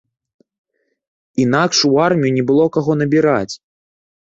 Інакш у армію не было каго набіраць!